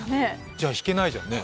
じゃ、弾けないじゃんね。